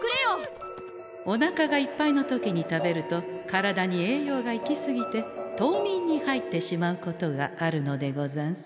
おなかがいっぱいの時に食べると体に栄養が行き過ぎて冬眠に入ってしまうことがあるのでござんす。